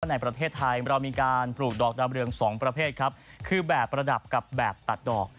ในประเทศไทยเรามีการปลูกดอกดาวเรืองสองประเภทครับคือแบบประดับกับแบบตัดดอก